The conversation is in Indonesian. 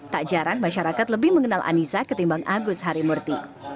tak jarang masyarakat lebih mengenal anissa ketimbang agus harimurti